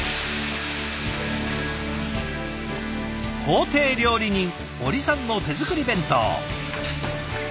公邸料理人堀さんの手作り弁当。